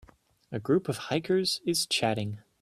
A group of hikers is chatting